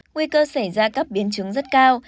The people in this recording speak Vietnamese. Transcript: nguy cơ xảy ra các biến chứng rất cao